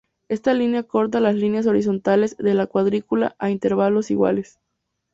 Esta línea corta las líneas horizontales de la cuadrícula a intervalos iguales.